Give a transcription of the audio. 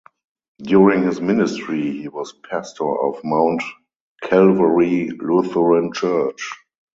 During his ministry he was pastor of Mount Calvary Lutheran Church.